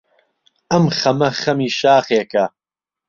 ئەم خەمە خەمی شاخێکە،